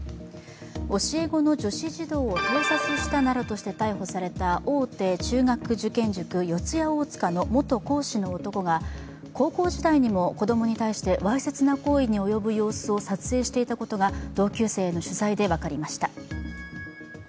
教え子の女子児童を盗撮したなどとして逮捕された大手中学受験塾・四谷大塚の元講師の男が高校時代にも子供に対してわいせつな行為に及ぶ様子を撮影していたことが同級生への取材で分かりました。